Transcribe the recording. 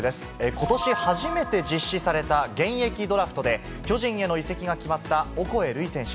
ことし初めて実施された現役ドラフトで、巨人への移籍が決まったオコエ瑠偉選手。